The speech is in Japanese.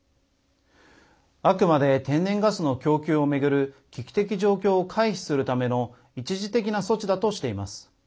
あくまで天然ガスの供給を巡る危機的状況を回避するための一時的な措置だとしています。